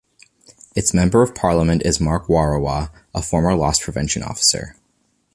Its Member of Parliament is Mark Warawa, a former loss prevention officer.